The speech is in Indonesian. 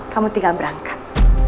kamu tinggal berangkat